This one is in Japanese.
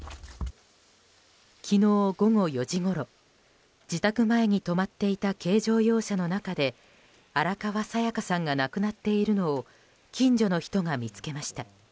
昨日午後４時ごろ自宅前に止まっていた軽乗用車の中で荒川紗夜嘉さんが亡くなっているのを近所の人が見つけました。